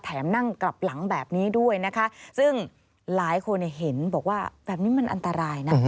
นั่งกลับหลังแบบนี้ด้วยนะคะซึ่งหลายคนเห็นบอกว่าแบบนี้มันอันตรายนะ